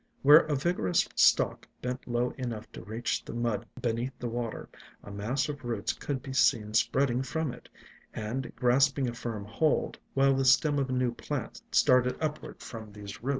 Where a vigorous stalk bent low enough to reach the mud beneath the water a mass of roots could be seen spreading from it, and grasping a firm hold, while the stem of a new plant started upward from these roots.